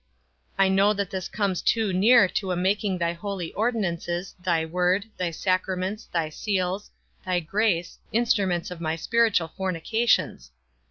I know that this comes too near to a making thy holy ordinances, thy word, thy sacraments, thy seals, thy grace, instruments of my spiritual fornications.